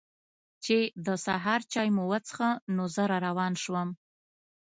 چې د سهار چای مو وڅښه نو زه را روان شوم.